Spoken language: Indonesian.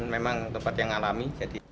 memang tempat yang alami